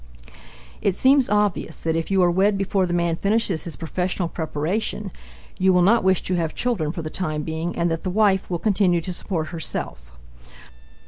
It seems obvious that if you are wed before the man finishes his professional preparation, you will not wish to have children for the time being and that the wife will continue to support herself.